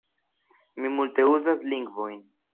Mi multe uzas lingvojn.